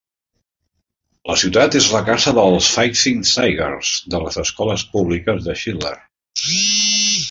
La ciutat és la casa dels Fighting Tigers de les escoles públiques de Shidler.